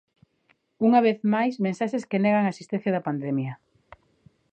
Unha vez máis mensaxes que negan a existencia da pandemia.